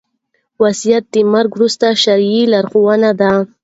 وصيت د مرګ وروسته شرعي لارښوونه ده